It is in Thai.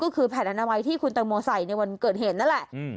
ก็คือแผ่นอนามัยที่คุณตังโมใส่ในวันเกิดเหตุนั่นแหละ